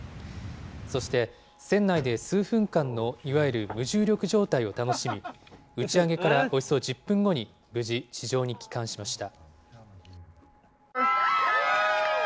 そして、船内で数分間のいわゆる無重力状態を楽しみ、打ち上げからおよそ１０分後に無事、地上に帰還しました。